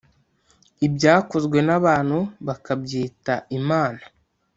ibyakozwe n’abantu bakabyita imana,